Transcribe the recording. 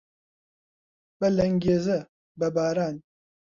بە لەنگێزە، بە باران